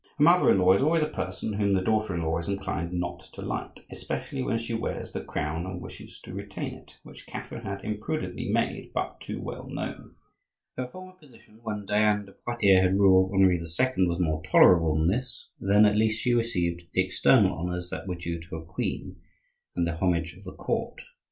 A mother in law is always a person whom the daughter in law is inclined not to like; especially when she wears the crown and wishes to retain it, which Catherine had imprudently made but too well known. Her former position, when Diane de Poitiers had ruled Henri II., was more tolerable than this; then at least she received the external honors that were due to a queen, and the homage of the court.